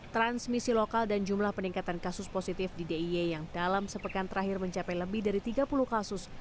transmisi lokal dan jumlah peningkatan kasus positif di d i e yang dalam sepekan terakhir mencapai lebih dari tiga puluh kasus